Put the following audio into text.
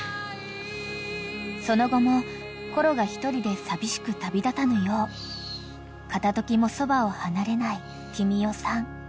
［その後もコロが一人で寂しく旅立たぬよう片時もそばを離れない君代さん］